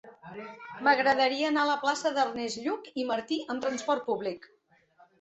M'agradaria anar a la plaça d'Ernest Lluch i Martín amb trasport públic.